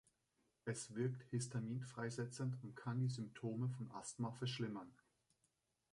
Es wirkt histaminfreisetzend und kann die Symptome von Asthma verschlimmern.